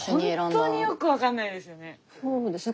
ほんとによく分かんないですよね。